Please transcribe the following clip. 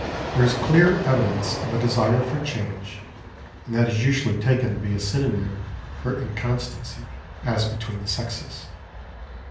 There is clear evidence of a desire for change, and that is usually taken to be a synonym for inconstancy, as between the sexes.